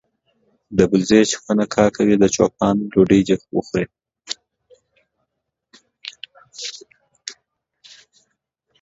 د بزې چې کونه کا کوي د چو پان ډوډۍ دي وخوري.